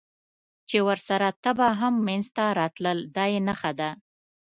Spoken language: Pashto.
چې ورسره تبه هم منځته راتلل، دا یې نښه ده.